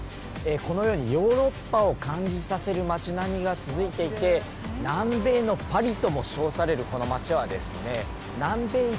このようにヨーロッパを感じさせる町並みが続いていて、南米のパリとも称されるこの町はですね、南米一